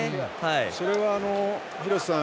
それは廣瀬さん